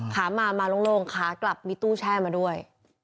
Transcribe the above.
ขามามาโล่งขากลับมีตู้แช่มาด้วย